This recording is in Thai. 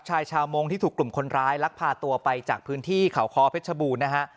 ชายชาวมงที่ถูกกลุ่มคนร้ายลักพาตัวไปจากพื้นที่เขาคอเพชรบูรณ์นะฮะ